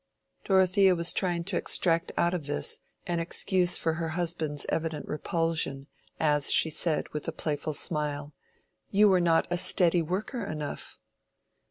Dorothea was trying to extract out of this an excuse for her husband's evident repulsion, as she said, with a playful smile, "You were not a steady worker enough."